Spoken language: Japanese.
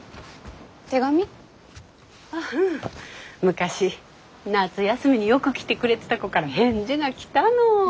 昔夏休みによく来てくれてた子から返事が来たの。